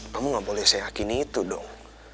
kamu gak boleh seyakin itu dong